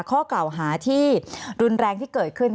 ข้อกล่าวหาที่รุนแรงที่เกิดขึ้น